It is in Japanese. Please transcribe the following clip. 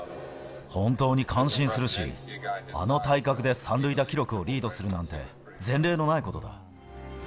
本当に感心するし、あの体格で三塁打記録をリードするなんて、前例のないことだ。